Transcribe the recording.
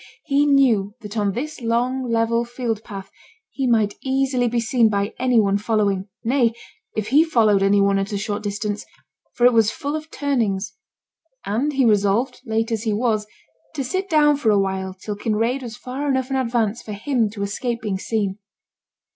He knew that on this long level field path he might easily be seen by any one following; nay, if he followed any one at a short distance, for it was full of turnings; and he resolved, late as he was, to sit down for a while till Kinraid was far enough in advance for him to escape being seen.